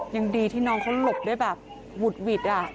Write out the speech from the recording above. ยังดีที่น้องเขาหลบได้แบบหวุดหวิด